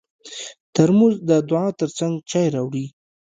ترموز د دعا تر څنګ چای راوړي.